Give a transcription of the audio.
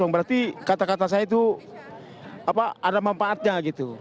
berarti kata kata saya itu ada manfaatnya gitu